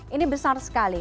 ini besar sekali